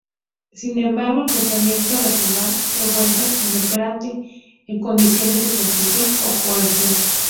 Sin embargo, el pensamiento racional se vuelve inoperante en condiciones de compulsión o coerción.